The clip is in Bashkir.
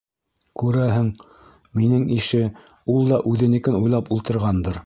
- Күрәһең, минең ише, ул да үҙенекен уйлап ултырғандыр.